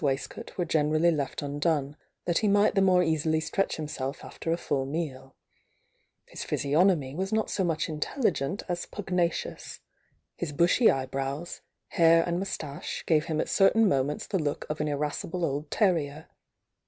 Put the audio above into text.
waistcoat were generally left undone, that he might the more easily stretch himself aftei^ f„* 17 *^'^ physiognomy was not so much mtelhgent as pugnacious his bushy eyebrows, hair and moustache gave him at certain moments the look of an irascible old terrier.